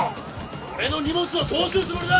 俺の荷物をどうするつもりだ！